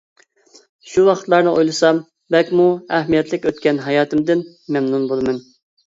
شۇ ۋاقىتلارنى ئويلىسام، بەكمۇ ئەھمىيەتلىك ئۆتكەن ھاياتىمدىن مەمنۇن بولىمەن.